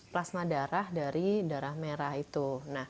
plasma darah dari darah merah itu